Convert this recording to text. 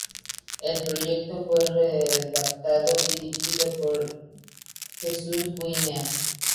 El proyecto fue redactado y dirigido por D. Jesús Guinea.